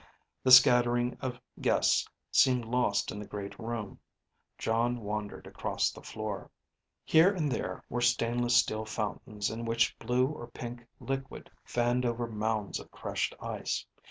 The scattering of guests seemed lost in the great room. Jon wandered across the floor. Here and there were stainless steel fountains in which blue or pink liquid fanned over mounds of crushed ice.